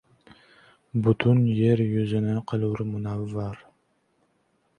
Butun yer yuzini qilur munavvar.